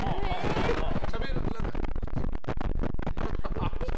しゃべらない？